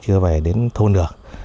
chưa về đến thôn được